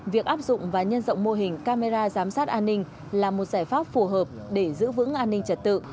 việc áp dụng và nhân rộng mô hình camera giám sát an ninh là một giải pháp phù hợp để giữ vững an ninh trật tự